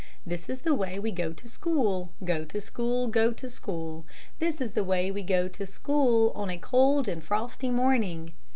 This is the way we go to school, Go to school, go to school, This is the way we go to school, On a cold and frosty morning.